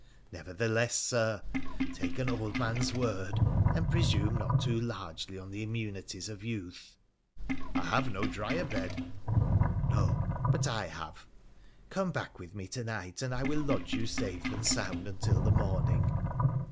Nevertheless, Sir, take an old man's word, and presume not too largely on the immunities of youth.' ' I have no drier bed.' ' No, but I have. Come back with me to night, and I will lodge you safe and sound until the morning.'